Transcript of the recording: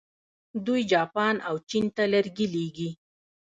دوی جاپان او چین ته لرګي لیږي.